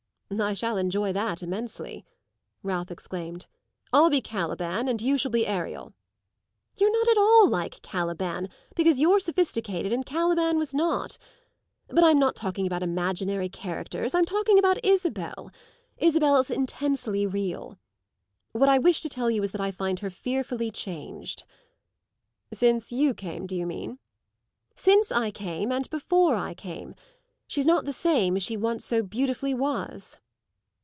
"I shall enjoy that immensely!" Ralph exclaimed. "I'll be Caliban and you shall be Ariel." "You're not at all like Caliban, because you're sophisticated, and Caliban was not. But I'm not talking about imaginary characters; I'm talking about Isabel. Isabel's intensely real. What I wish to tell you is that I find her fearfully changed." "Since you came, do you mean?" "Since I came and before I came. She's not the same as she once so beautifully was."